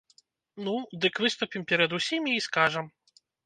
Ну, дык выступім перад усімі і скажам.